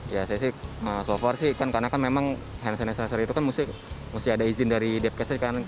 ya saya sih so far sih kan karena kan memang hand sanitizer itu kan mesti ada izin dari depkesnya kan